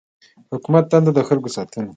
د حکومت دنده د خلکو ساتنه ده.